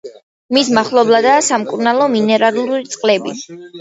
მის მახლობლადაა სამკურნალო მინერალური წყლები.